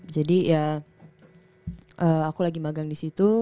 jadi ya aku lagi magang di situ